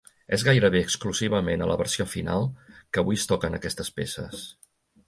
És gairebé exclusivament a la versió final que avui es toquen aquestes peces.